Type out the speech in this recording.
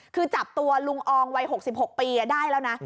คือจับตัวลุงอองวัย๖๖ปีได้แล้วนะ